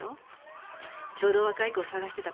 ちょうど若い子を捜してたとこなんだ。